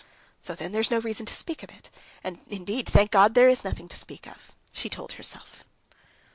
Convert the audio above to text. "So then there's no reason to speak of it? And indeed, thank God, there's nothing to speak of," she told herself.